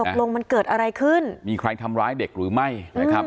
ตกลงมันเกิดอะไรขึ้นมีใครทำร้ายเด็กหรือไม่นะครับ